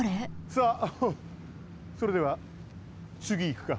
さあそれではつぎいくか。